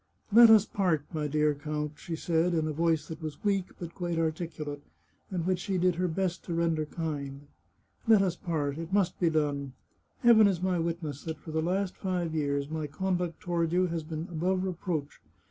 " Let us part, my dear count," she said, in a voice that was weak, but quite articulate, and which she did her best to render kind. " Let us part ! It must be done. Heaven is my witness that for the last five years my conduct toward you has been above reproach.